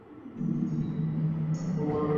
তিনি অম্বুবাবুর আখড়ায় সাত বছর কস্তি লড়েন।